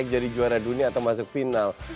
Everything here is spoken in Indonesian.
masih jadi juara dunia atau masuk final